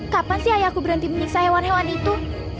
kapan sih ayahku berhenti menyiksa hewan hewan itu